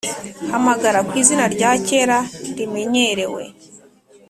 hamagara ku izina rya kera rimenyerewe.